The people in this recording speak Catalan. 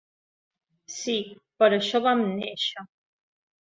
Sí, per això vam néixer.